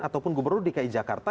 atau gubernur dki jakarta